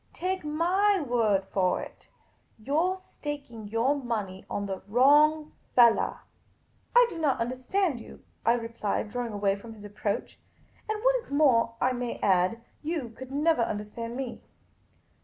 Take my word for it, you 're staking your money on the wrong fellah." " I do not understand you," I replied, drawing away from his approach. " And what is more, I may add, you could never understand me."